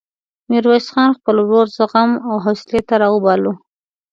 ميرويس خان خپل ورور زغم او حوصلې ته راوباله.